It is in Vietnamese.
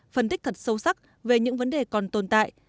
phân tích thật sâu sắc về những vấn đề còn tồn tại